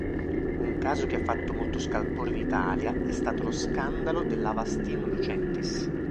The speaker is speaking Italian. Un caso che ha fatto molto scalpore in Italia è stato lo scandalo dell'Avastin-Lucentis.